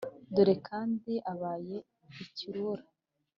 dore kandi abaye ikirura